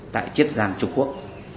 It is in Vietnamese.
tại chiết giang trung quốc